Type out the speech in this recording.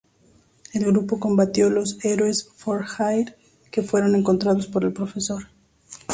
El grupo combatió los Heroes for Hire, que fueron contratados por el Profesor.